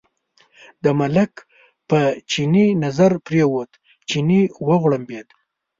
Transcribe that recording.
د ملک په چیني نظر پرېوت، چیني وغړمبېد.